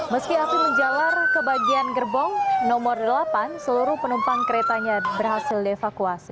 meski api menjalar ke bagian gerbong nomor delapan seluruh penumpang keretanya berhasil dievakuasi